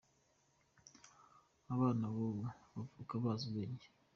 abana bubu bavuka bazi ubwenge.